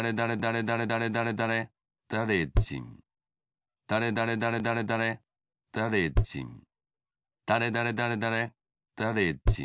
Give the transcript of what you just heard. だれだれだれだれだれじん。